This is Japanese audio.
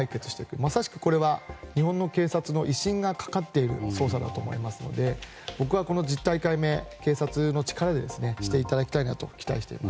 まさしく日本の警察の威信がかかっている捜査だと思いますので僕は、この実態解明は警察の力でしていただきたいなと期待しています。